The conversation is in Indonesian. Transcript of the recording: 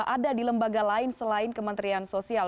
ada di lembaga lain selain kementerian sosial